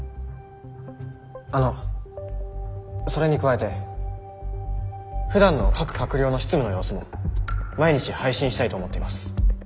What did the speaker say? あのそれに加えてふだんの各官僚の執務の様子も毎日配信したいと思っています。